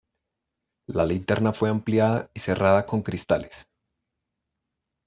La linterna fue ampliada y cerrada con cristales.